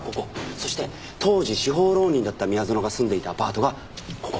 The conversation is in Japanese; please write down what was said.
そして当時司法浪人だった宮園が住んでいたアパートがここ。